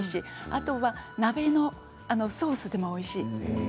あとは鍋のソースでもおいしい。